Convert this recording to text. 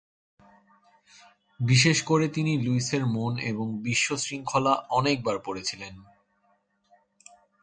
বিশেষ করে, তিনি লুইসের "মন এবং বিশ্ব শৃঙ্খলা" অনেক বার পড়েছিলেন।